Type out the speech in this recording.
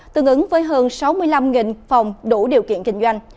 tương ứng với hơn sáu mươi năm phòng đủ điều kiện kinh doanh